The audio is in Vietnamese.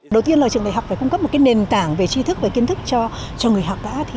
đầu tiên là trường đại học phải cung cấp một nền tảng về chi thức và kiến thức cho người học đã